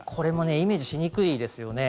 イメージしにくいですよね。